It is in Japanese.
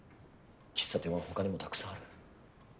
喫茶店は他にもたくさんある。